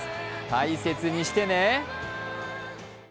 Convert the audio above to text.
大切にしてね。